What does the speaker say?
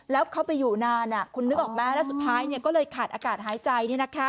แล้วเขาไปอยู่นานคุณนึกออกไหมแล้วสุดท้ายก็เลยขาดอากาศหายใจ